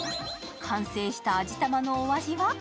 完成した味たまのお味は？